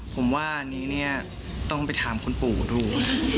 ผมว่าอันนี้เนี่ยต้องไปถามคุณปู่ดู